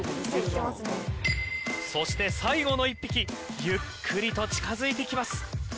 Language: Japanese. そして最後の１匹ゆっくりと近づいていきます。